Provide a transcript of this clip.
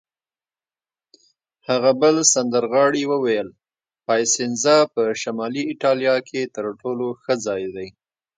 هغه بل سندرغاړي وویل: پایسنزا په شمالي ایټالیا کې تر ټولو ښه ځای دی.